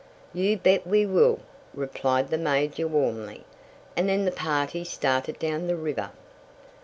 "You bet we will," replied the major warmly. And then the party started down the river.